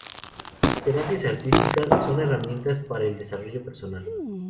Las terapias artísticas son herramientas para el desarrollo personal.